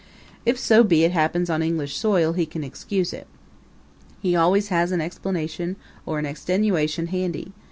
If so be it happens on English soil he can excuse it. He always has an explanation or an extenuation handy.